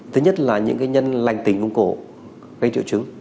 thứ nhất là những nhân lành tình mông cổ gây triệu chứng